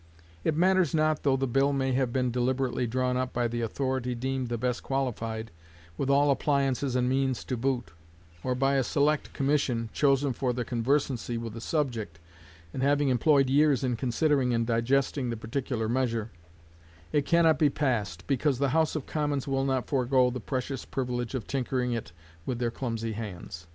It matters not though the bill may have been deliberately drawn up by the authority deemed the best qualified, with all appliances and means to boot; or by a select commission, chosen for their conversancy with the subject, and having employed years in considering and digesting the particular measure: it can not be passed, because the House of Commons will not forego the precious privilege of tinkering it with their clumsy hands.